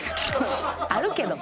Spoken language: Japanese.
あるけど。